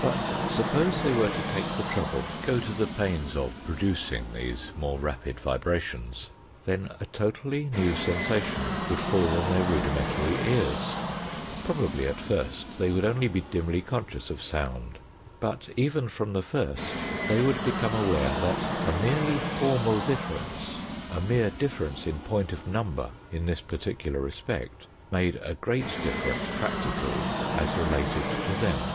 But suppose they were to take the trouble, go to the pains of producing these more rapid vibrations, then a totally new sensation would fall on their rudimentary ears. Probably at first they would only be dimly conscious of Sound, but even from the first they would become aware that a merely formal difference, a mere difference in point of number in this particular respect, made a great difference practically, as related to them.